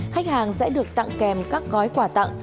khách hàng sẽ được tặng kèm các gói quà tặng